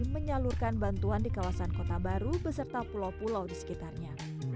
menyalurkan bantuan di kawasan kota baru beserta pulau pulau di sekitarnya